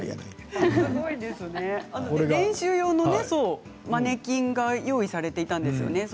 練習用のマネキンが用意されていたんですよね。